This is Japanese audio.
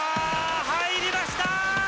入りました！